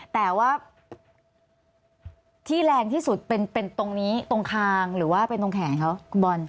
แต่ว่าที่แรงที่สุดเป็นตรงนี้ตรงคางหรือว่าเป็นตรงแขนเขาคุณบอล